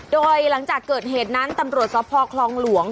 โดยหลังจากเกิดเหตุนั้นตำรวจสภคลองหลวง